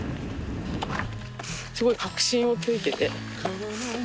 すごい核心を突いてて。